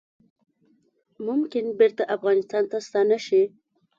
ممکن بیرته افغانستان ته ستانه شي